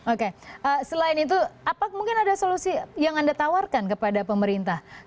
oke selain itu apa mungkin ada solusi yang anda tawarkan kepada pemerintah